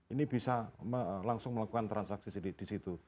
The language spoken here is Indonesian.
ini bisa langsung melakukan transaksi disitu